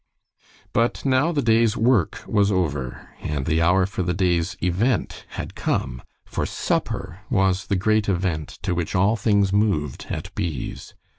But now the day's work was over, and the hour for the day's event had come, for supper was the great event to which all things moved at bees.